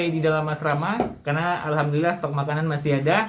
di dalam asrama karena alhamdulillah stok makanan masih ada